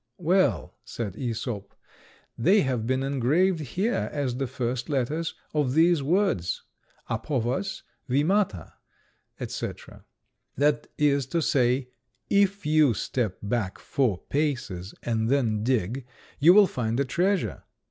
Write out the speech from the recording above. "Well," said Æsop, "they have been engraved here as the first letters of these words, Απόβας Βήματα, &c.; that is to say, If you step back four paces and then dig, you will find a treasure."